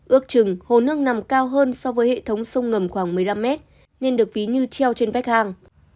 ước chừng hồ nước nằm cao hơn so với hệ thống sông ngầm khoảng một mươi năm mét nên được ví như treo trên vách hàng